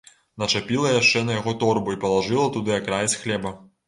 Начапіла яшчэ на яго торбу і палажыла туды акраец хлеба.